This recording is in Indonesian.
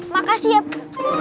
makasih ya bu